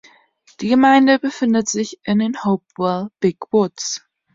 Die Gemeinde befindet sich in den Hopewell Big Woods.